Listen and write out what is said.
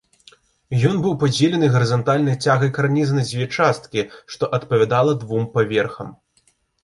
Ён быў падзелены гарызантальнай цягай карніза на дзве часткі, што адпавядала двум паверхам.